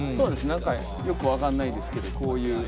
何かよく分かんないですけどこういう。